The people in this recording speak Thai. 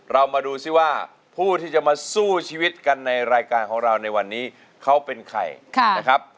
เรามาดูซิว่าผู้ที่จะมาสู้ชีวิตกันในรายการของเราในวันนี้เขาเป็นใครนะครับ